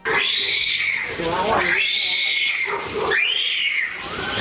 เบ็ดสืบหัวพ่าเบ็ดสืบหัวพ่า